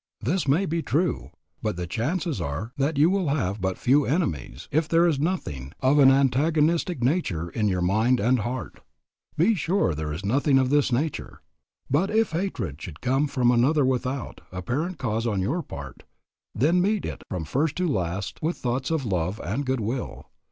This may be true, but the chances are that you will have but few enemies if there is nothing of an antagonistic nature in your own mind and heart. Be sure there is nothing of this nature. But if hatred should come from another without apparent cause on your part, then meet it from first to last with thoughts of love and good will.